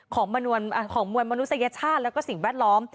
ของมวลมนุษยชาติแล้วก็สิ่งแวดล้อม